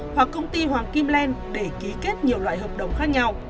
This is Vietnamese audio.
hoặc công ty hoàng kim len để ký kết nhiều loại hợp đồng khác nhau